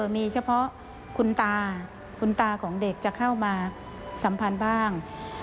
มีเฉพาะคุณตาคุณตาของเด็กจะเข้ามาสัมพันธ์บ้าง